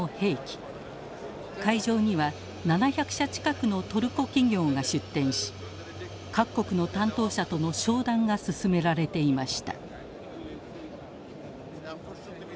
会場には７００社近くのトルコ企業が出展し各国の担当者との商談が進められていました。